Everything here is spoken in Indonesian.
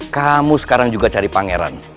kamu sekarang juga cari pangeran